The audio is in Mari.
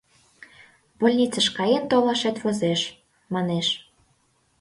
Больницыш каен толашет возеш, манеш.